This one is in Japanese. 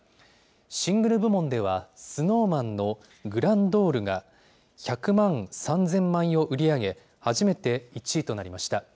シングル部門では、ＳｎｏｗＭａｎのＧｒａｎｄｅｕｒが１００万３０００枚を売り上げ、初めて１位となりました。